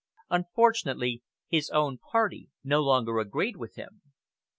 Unfortunately, his own party no longer agreed with him.